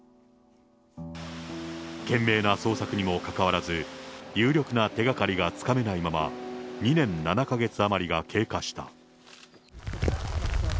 懸命な捜索にもかかわらず、有力な手がかりがつかめないまま、２年７か月余りが経過した。